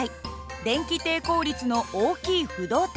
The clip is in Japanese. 電気抵抗率の大きい不導体。